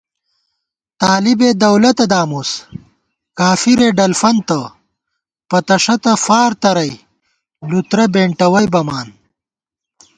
طالِبےدولَتہ دامُس، کافِرےڈلفنتہ، پتَݭَتہ فارترَئی لُترہ بېنٹَوَئی بَمان